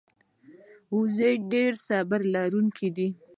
وزې ډېرې صبر لرونکې دي